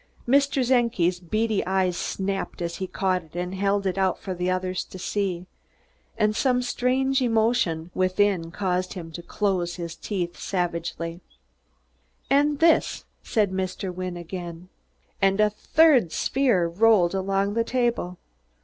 Mr. Czenki's beady eyes snapped as he caught it and held it out for the others to see, and some strange emotion within caused him to close his teeth savagely. "And this!" said Mr. Wynne again. And a third sphere rolled along the table.